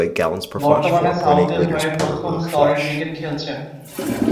বর্তমানে সাউথের হয়ে প্রথম স্তরের ক্রিকেট খেলছেন।